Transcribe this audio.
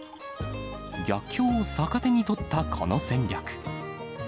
逆境を逆手に取ったこの戦略。